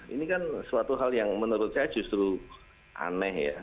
ini kan suatu hal yang menurut saya justru aneh ya